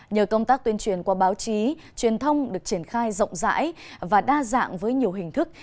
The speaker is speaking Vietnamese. nhờ công tác tuyên truyền qua báo chí truyền thông được triển khai rộng rãi và đa dạng với nhiều hình thức